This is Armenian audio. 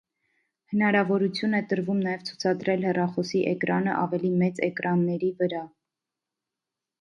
Հնարավորություն է տրվում նաև ցուցադրել հեռախոսի էկրանը ավելի մեծ էկրանների վրա։